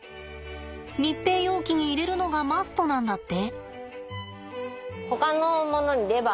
密閉容器に入れるのがマストなんだって。